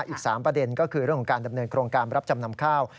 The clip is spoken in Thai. อีก๓ประเด็นก็คือเรื่องของการดำเนินโครงการรับจำนำข้าว